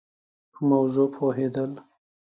په موضوع پوهېد ل